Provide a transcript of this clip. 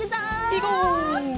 いこう！